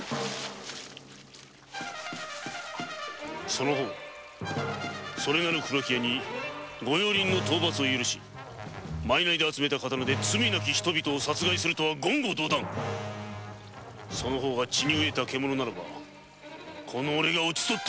その方それなる黒木屋に御用林の盗伐を許しマイナイとして集めた刀で罪もなき人を殺害致すとは言語道断その方が血にうえたケモノならば討ち取る！